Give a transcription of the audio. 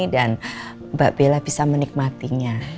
dan mbak bella bisa menikmatinya